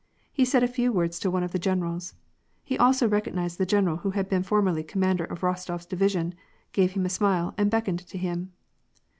He said a few words to one of the generals. He also recognized the general who had been formerly commander of Eostof s division, gave him a smile and beckoned to him.